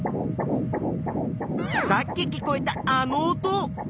さっき聞こえたあの音。